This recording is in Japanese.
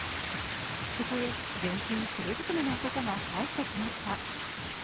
そこへ、全身黒ずくめの男が入ってきました。